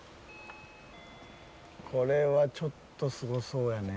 これはちょっとすごそうやね。